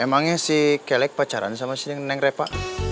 emangnya si kelek pacaran sama si neng reva